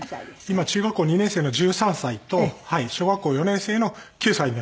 今中学校２年生の１３歳と小学校４年生の９歳になります。